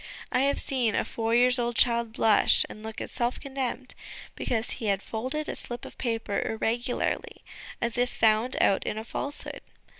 I have seen a four years old child blush and look as self condemned, because he had folded a slip of paper irregularly, as if found out in a falsehood.